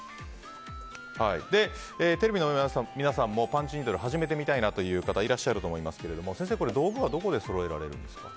テレビの前の皆さんもパンチニードルを始めてみたいなという方いらっしゃるかと思いますけど先生、道具はどこでそろえられるんですか。